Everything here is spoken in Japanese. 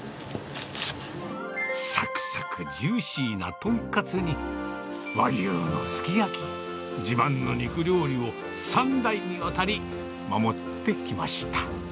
さくさくジューシーなとんかつに、和牛のすき焼き、自慢の肉料理を３代にわたり守ってきました。